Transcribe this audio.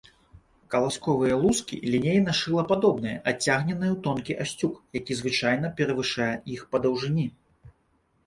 Каласковыя лускі лінейна-шылападобныя, адцягненыя ў тонкі асцюк, які звычайна перавышае іх па даўжыні.